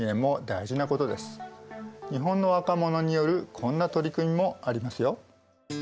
日本の若者によるこんな取り組みもありますよ。